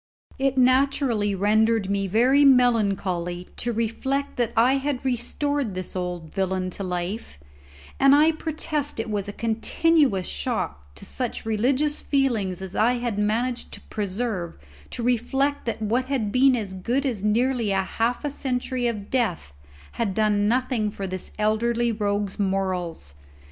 It naturally rendered me very melancholy to reflect that I had restored this old villain to life, and I protest it was a continuous shock to such religious feelings as I had managed to preserve to reflect that what had been as good as nearly half a century of death had done nothing for this elderly rogue's morals.